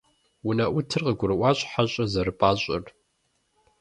УнэӀутым къыгурыӀуащ хьэщӀэр зэрыпӀащӀэр.